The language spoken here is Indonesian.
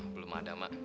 belum ada mak